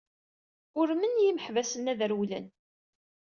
Urmen yimeḥbas-nni ad rewlen.